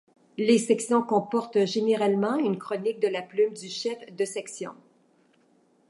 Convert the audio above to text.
Les sections comportent généralement une chronique de la plume du chef de section.